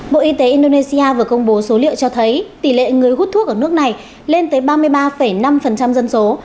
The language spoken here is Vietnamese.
bộ y tế indonesia vừa công bố số liệu cho thấy tỷ lệ người hút thuốc ở nước này lên tới ba mươi ba năm dân số